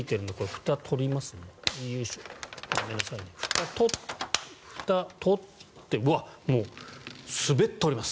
ふたを取ってうわ、もう滑っております。